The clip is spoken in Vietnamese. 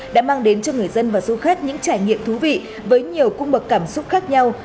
đã mang đến cho người dân và du khách những trải nghiệm thú vị với nhiều cung bậc cảm xúc khác nhau